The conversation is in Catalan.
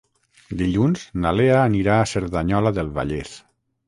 Dilluns na Lea anirà a Cerdanyola del Vallès.